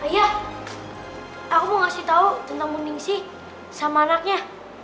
ayah aku mau kasih tau tentangmu ningsi sama anaknya